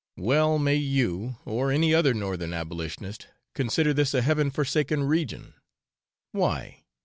Well may you, or any other Northern Abolitionist, consider this a heaven forsaken region, why?